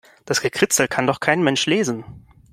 Das Gekritzel kann doch kein Mensch lesen.